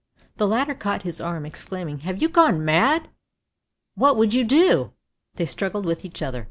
The latter caught his arm, exclaiming, " Have you gone mad? What would you do? " They struggled with each other.